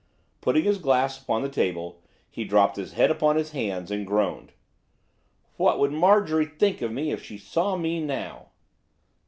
Putting his glass upon the table, he dropped his head upon his hands, and groaned. 'What would Marjorie think of me if she saw me now?